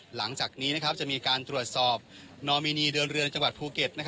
หลังจากนี้จะมีการตรวจสอบนอมินีเดินเรือนจังหวัดภูเก็ต